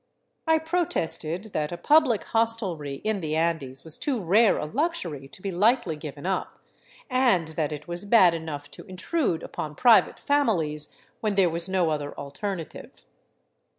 I protested that a public hostelry in the Andes was too rare a luxury to be lightly given up, and that it was bad enough to intrude upon pri vate families when there was no other alternative.